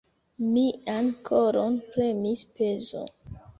Mian koron premis pezo.